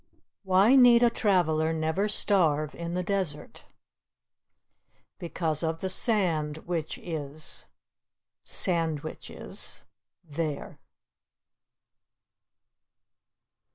Why need a traveler never starve in the desert? Because of the sand which is (sandwiches) there.